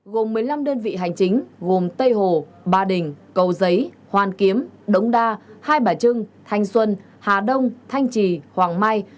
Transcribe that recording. gồm một mươi năm đơn vị hành chính gồm tây hồ ba đình cầu giấy hoàn kiếm đống đa hai bà trưng thanh xuân hà đông thanh trì hoàng mai